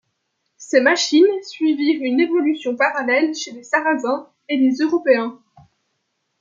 Ces machines suivirent une évolution parallèle chez les Sarrasins et les Européens.